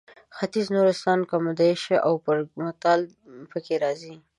ختیځ نورستان کامدېش او برګمټال پکې راځي.